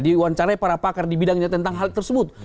diwawancarai para pakar di bidangnya tentang hal tersebut